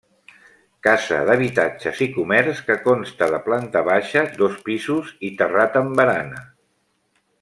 Casa d'habitatges i comerç que consta de planta baixa, dos pisos i terrat amb barana.